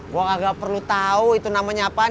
gue gak perlu tau itu namanya apaan